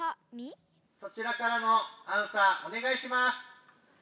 そちらからのアンサーおねがいします！